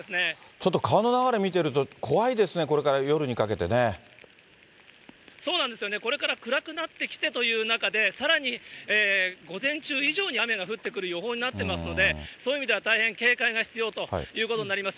ちょっと川の流れ見てると、怖いですね、これから夜にかけてそうなんですよね、これから暗くなってきてという中で、さらに午前中以上に雨が降ってくる予報になっていますので、そういう意味では、大変警戒が必要ということになります。